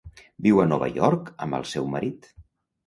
Viu a Nova York amb el seu marit.